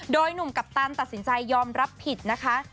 โดยหนุ่มกัปตันตัดสินใจยอมรับผิดนะคะ